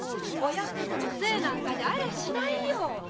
親方のせいなんかじゃありゃしないよ。